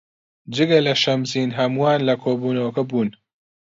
جگە لە شەمزین هەمووان لە کۆبوونەوەکە بوون.